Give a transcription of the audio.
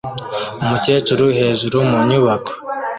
Umukecuru hejuru mu nyubako